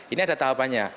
ini ada tahapannya